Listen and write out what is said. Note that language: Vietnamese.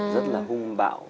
rất là hung bạo